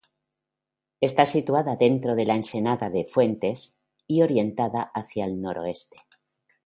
Está situada dentro de la ensenada de Fuentes, y orientada hacia el noroeste.